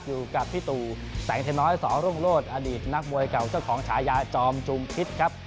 อยู่กับพี่ตู่แสงเทน้อยสอรุ่งโลศอดีตนักมวยเก่าเจ้าของฉายาจอมจุมพิษครับ